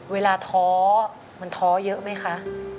ท้อมันท้อเยอะไหมคะ